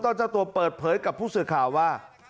เจ้าตัวเปิดเผยกับผู้สื่อข่าวว่า